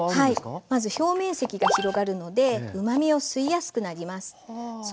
まず表面積が広がるのでうまみを吸いやすくなります。